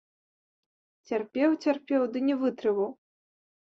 Цярпеў, цярпеў, ды і не вытрываў.